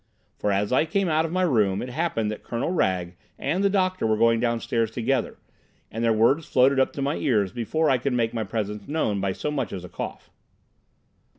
For, as I came out of my room, it happened that Colonel Wragge and the doctor were going downstairs together, and their words floated up to my ears before I could make my presence known by so much as a cough.